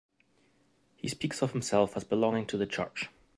He speaks of himself as belonging to the Church.